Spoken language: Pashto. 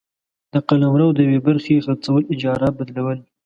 د قلمرو د یوې برخي خرڅول ، اجاره ، بدلول،